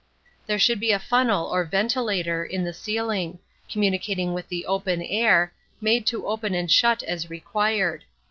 There should be a funnel or ventilator in the ceiling, communicating with the open air, made to open and shut as required.